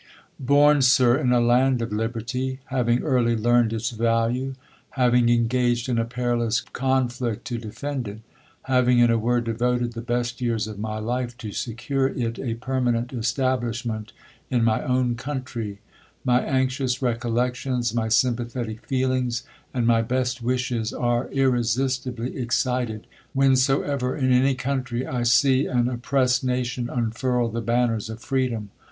BORN, Sir, in a land of liberty ; having early learned its value ; having engaged in a perilous conflict to defend it ; having, in a word, devoted the best years of my life to secure it a permanent establisJi ment in my own country ; my anxious recollections, my sympathetic feelings, and my best wishes are irre sistibly excited, whensoever, in any country, I see an oppressed nation unfurl the banners of freedom.